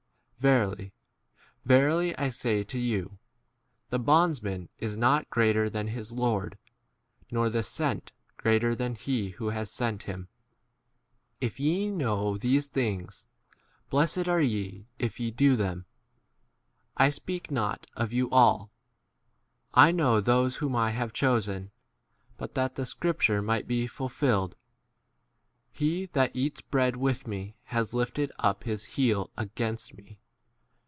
Verily, verily, I say to you, The bondsman is not greater than his lord, nor the sent k greater than he who 17 has sent him. If ye know these things, blessed are ye if ye 18 do them. I speak not of you all. I * know those whom I have chosen, but that the scripture might be ful filled, He that eats bread with me has lifted up his heel against me.